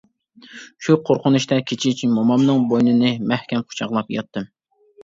شۇ قورقۇنچتا كېچىچە مومامنىڭ بوينىنى مەھكەم قۇچاقلاپ ياتتىم.